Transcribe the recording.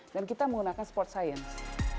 dan kita menggunakan sport science